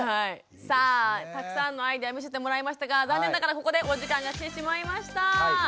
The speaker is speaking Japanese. さあたくさんのアイデア見せてもらいましたが残念ながらここでお時間が来てしまいました。